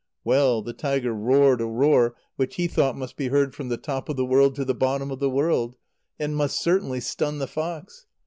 Well, the tiger roared a roar which he thought must be heard from the top of the world to the bottom of the world, and must certainly stun the fox.